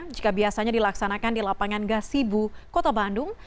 jika biasanya dilaksanakan di lapangan gasibu kota bandung